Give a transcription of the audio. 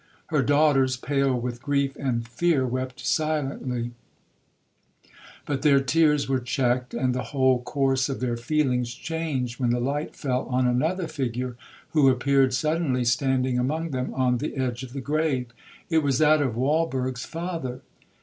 —Her daughters, pale with grief and fear, wept silently; but their tears were checked, and the whole course of their feelings changed, when the light fell on another figure who appeared suddenly standing among them on the edge of the grave,—it was that of Walberg's father.